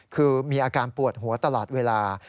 คือมีอาการปวดหัวตลอดเวลา